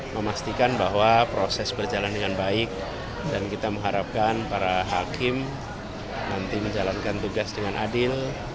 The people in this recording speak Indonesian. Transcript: memastikan bahwa proses berjalan dengan baik dan kita mengharapkan para hakim nanti menjalankan tugas dengan adil